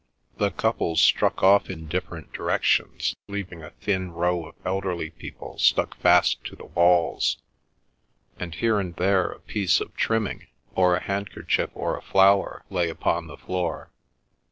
The couples struck off in different directions, leaving a thin row of elderly people stuck fast to the walls, and here and there a piece of trimming or a handkerchief or a flower lay upon the floor.